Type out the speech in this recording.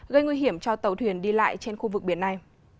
gây nguy hiểm cho tàu thuyền đi lại trên khu vực biển này